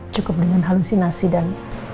cukup dengan halusinasi dan